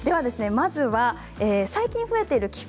まずは最近増えている寄付